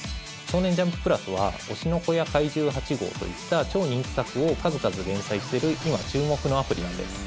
少年ジャンプ＋は「推しの子」や「怪獣８号」といった超人気作を数々連載している今、注目のアプリなんです。